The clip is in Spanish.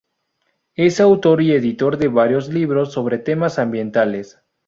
Es autor y editor de varios libros sobre temas ambientales.